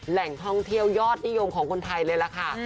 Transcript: แหล่งท่องเที่ยวยอดนิยมของคนไทยเลยล่ะค่ะ